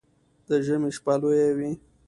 د ژمي شپه لويه وي